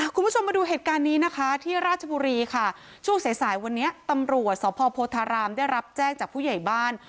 คุณผู้ชมมาดูเหตุการณ์นี้นะคะที่ราชบุรีค่ะช่วงสายสายวันนี้ตำรวจสพโพธารามได้รับแจ้งจากผู้ใหญ่บ้าน